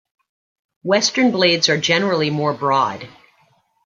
Western blades are generally more broad.